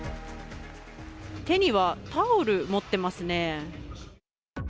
手にはタオル持ってますね。